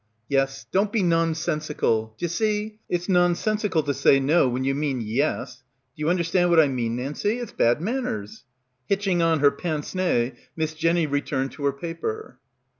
"Yes. Don't be nonsensical. D'ye see? It's nonsensical to say no when you mean yes. D'ye understand what I mean, Nancie. It's bad man ners." Hitching on her pince nez, Miss Jenny returned to her paper.